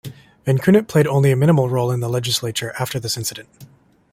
Vankoughnet played only a minimal role in the legislature after this incident.